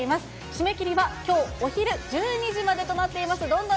締め切りはきょうお昼１２時までとなっています。